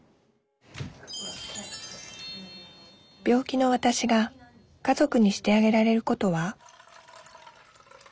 病気のわたしが家族にしてあげられることは？